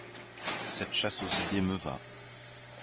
Cette chasse aux idées me va.